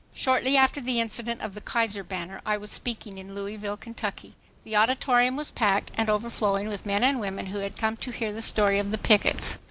Shortly after the incident of the "Kaiser banner" I was speaking in Louisville, Kentucky. The auditorium was packed and overflowing with men and women who had come to hear the story of the pickets.